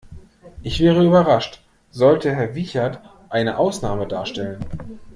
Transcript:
Ich wäre überrascht, sollte Herr Wiechert eine Ausnahme darstellen.